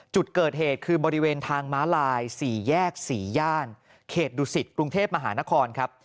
จุดเกิดเหตุคือบริเวณทางม้าลาย๔แยก๔ย่านเขตดุสิตกรุงเทพมหานครครับ